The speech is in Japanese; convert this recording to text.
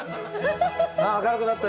あ明るくなった。